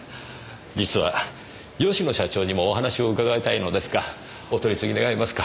実は吉野社長にもお話を伺いたいのですがお取り次ぎ願えますか？